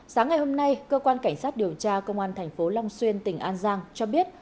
sáng ngày hôm nay cơ quan cảnh sát điều tra công an thành phố long xuyên tỉnh an giang cho biết